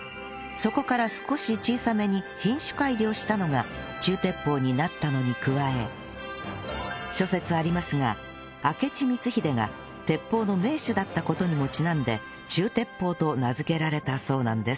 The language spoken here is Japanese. そこから少し小さめに品種改良したのが中鉄砲になったのに加え諸説ありますが明智光秀が鉄砲の名手だった事にもちなんで中鉄砲と名付けられたそうなんです